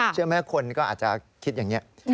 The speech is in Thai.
เชื่อไหมคนก็อาจจะคิดอย่างนี้